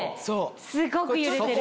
すごく揺れてる。